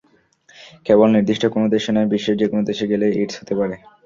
কেবল নির্দিষ্ট কোনো দেশে নয়, বিশ্বের যেকোনো দেশে গেলেই এইডস হতে পারে।